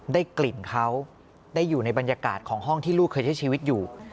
ได้กลิ่นเขาได้อยู่ในบรรยากาศของห้องที่ลูกเคยใช้ชีวิตอยู่